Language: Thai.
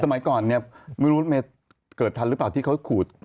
สมัยก่อนเนี่ยไม่รู้รถเมย์เกิดทันหรือเปล่าที่เขาขูด